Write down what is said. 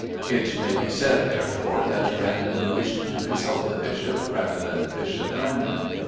It may be said, therefore, that Brandon wished to consult the Bishop rather than the Bishop Brandon.